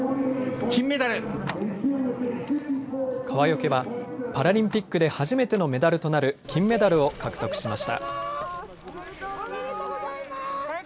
川除はパラリンピックで初めてのメダルとなる金メダルを獲得しました。